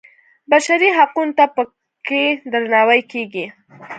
بشري حقونو ته په کې درناوی کېږي.